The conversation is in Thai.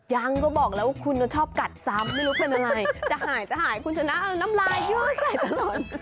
ยังก็บอกแล้วคุณชอบกัดซ้ำไม่รู้เป็นอะไรจะหายจะหายคุณชนะเอาน้ำลายยั่วใส่ตลอด